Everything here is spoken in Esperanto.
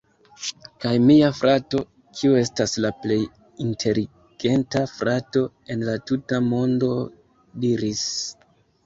Kaj mia frato, kiu estas la plej inteligenta frato en la tuta mondo... diris: